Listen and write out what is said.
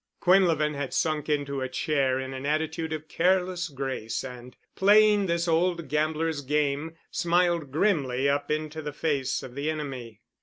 Quinlevin had sunk into a chair in an attitude of careless grace and playing this old gambler's game smiled grimly up into the face of the enemy.